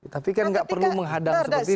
tapi kan nggak perlu menghadang seperti itu